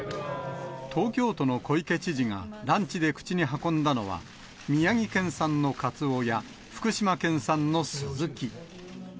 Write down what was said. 東京都の小池知事が、ランチで口に運んだのは、宮城県産のカツオや、福島県産のスズキ。